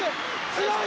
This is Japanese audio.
強い！